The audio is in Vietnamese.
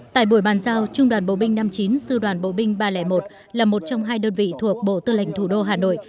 tại buổi bàn giao trung đoàn bộ binh năm mươi chín sư đoàn bộ binh ba trăm linh một là một trong hai đơn vị thuộc bộ tư lệnh thủ đô hà nội